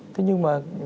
thế nhưng mà